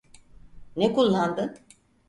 Ne kullandın?